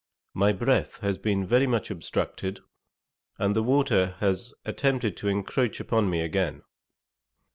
My breath has been very much obstructed, and the water has attempted to encroach upon me again.